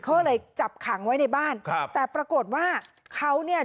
เขาเลยจับขังไว้ในบ้านครับแต่ปรากฏว่าเขาเนี่ย